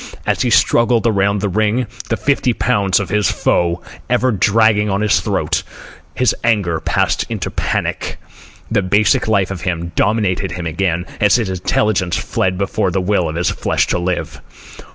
As he struggled around the ring, the fifty pounds of his foe ever dragging on his throat, his anger passed on into panic. The basic life of him dominated him again, and his intelligence fled before the will of his flesh to live.